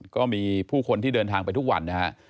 ก็มีผู้คนที่เดินทางไปทุกวันนะฮะ